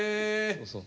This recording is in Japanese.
そうそう。